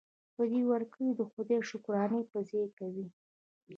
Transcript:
په دې ورکړې د خدای شکرانې په ځای کوي.